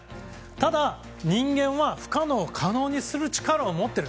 ただ人間は不可能を可能にする力を持っている。